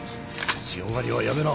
強がりはやめな。